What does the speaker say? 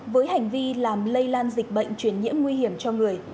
với hành vi làm lây lan dịch bệnh truyền nhiễm nguy hiểm cho người